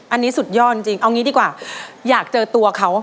อันนี้สุดยอดจริงเอางี้ดีกว่าอยากเจอตัวเขา